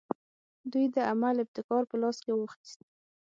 دوی د عمل ابتکار په لاس کې واخیست.